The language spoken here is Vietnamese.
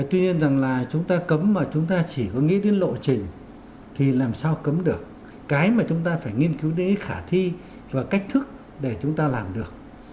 tuy nhiên rằng là chúng ta cấm mà chúng ta chỉ có nghĩ đến lộ trình thì làm sao cấm được cái mà chúng ta phải nghiên cứu để khả thi và cách thức để chúng ta làm được